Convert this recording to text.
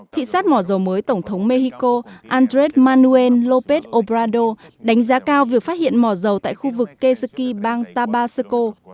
thị sát mỏ dầu mới tổng thống mexico andres manuel lópez obrado đánh giá cao việc phát hiện mỏ dầu tại khu vực quesuqui bang tabasco